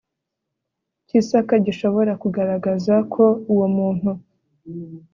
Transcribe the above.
cy isaka gishobora kugaragaza ko uwo muntu